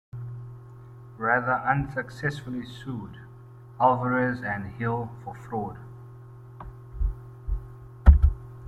Wrather unsuccessfully sued Alvarez and Hill for fraud.